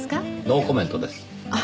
ノーコメントです。